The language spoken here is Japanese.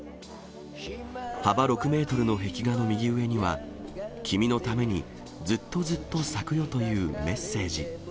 幅６メートルの壁画の右上には、君のためにずっとずっと咲くよというメッセージ。